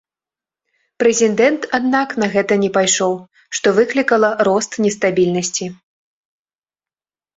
Прэзідэнт, аднак, на гэта не пайшоў, што выклікала рост нестабільнасці.